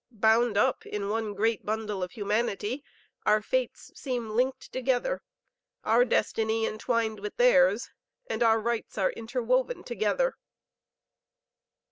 Bound up in one great bundle of humanity our fates seem linked together, our destiny entwined with theirs, and our rights are interwoven together."